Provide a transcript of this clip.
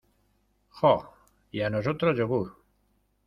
jo. y a nosotros yogur .